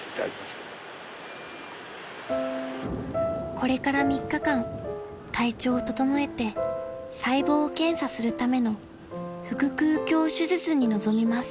［これから３日間体調を整えて細胞を検査するための腹腔鏡手術に臨みます］